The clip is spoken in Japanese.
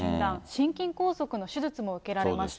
心筋梗塞の手術も受けられました。